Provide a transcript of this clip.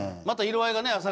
また色合いがね